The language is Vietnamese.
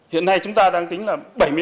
hiện nay chúng ta đang tính là bảy mươi ba sáu